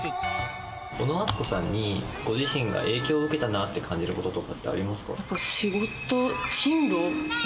小野あつこさんにご自身が影響を受けたなって感じることとか仕事、進路。